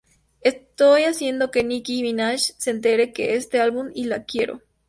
Estoy haciendo que Nicki Minaj se entere con este álbum y la quiero".